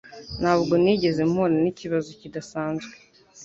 Ntabwo nigeze mpura nikibazo kidasanzwe.